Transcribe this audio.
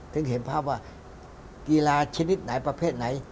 ถึงเห็นภาพว่ากีฬาชนิดไหนประเภทไหน